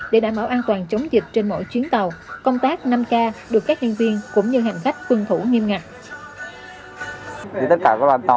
để đảm bảo an toàn chống dịch trên mỗi chuyến tàu công tác năm k được các nhân viên cũng như hành khách tuân thủ nghiêm ngặt